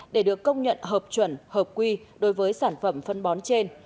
để được công nhận hợp chuẩn hợp quy đối với sản phẩm phân bón trên